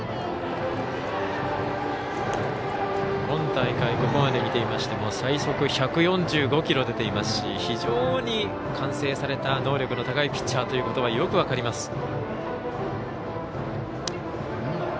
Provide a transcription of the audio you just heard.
今大会、ここまで見ていましても最速１４５キロ出ていますし非常に完成された能力の高いピッチャーということはよく分かります。